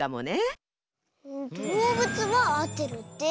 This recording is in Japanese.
どうぶつはあってるって。